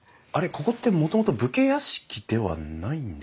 ここってもともと武家屋敷ではないんですか？